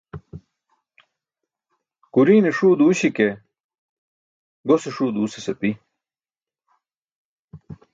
Guriine ṣuu duuśi ke gose ṣuu duusas api.